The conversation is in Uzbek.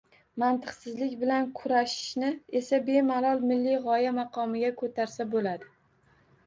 Mantiqsizlik bilan kurashishni esa bemalol milliy g‘oya maqomiga ko‘tarsa bo‘ladi.